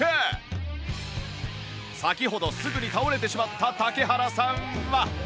先ほどすぐに倒れてしまった竹原さんは